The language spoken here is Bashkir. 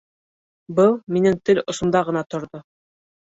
Был минең тел осомда ғына торҙо